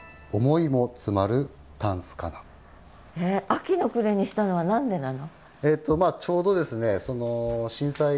「秋の暮れ」にしたのは何でなの？